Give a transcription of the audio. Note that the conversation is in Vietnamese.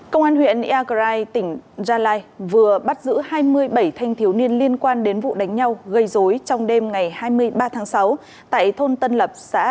công an huyện yaka rai tỉnh gia lai vừa bắt giữ hai mươi bảy thanh thiếu niên liên quan đến vụ đánh nhau gây dối trong đêm ngày hai mươi ba tháng sáu tại thôn tân lê